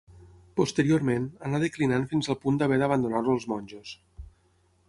Posteriorment, anà declinant fins al punt d'haver d'abandonar-lo els monjos.